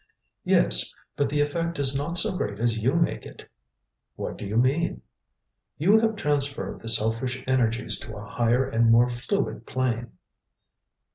"Yes; but the effect is not so great as you make it." "What do you mean?" "You have transferred the selfish energies to a higher and more fluid plane."